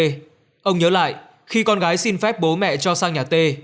ông tê ông nhớ lại khi con gái xin phép bố mẹ cho sang nhà tê